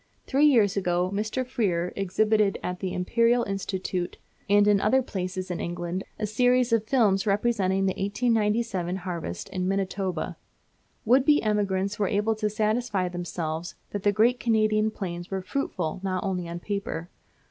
Three years ago Mr. Freer exhibited at the Imperial Institute and in other places in England a series of films representing the 1897 harvest in Manitoba. Would be emigrants were able to satisfy themselves that the great Canadian plains were fruitful not only on paper.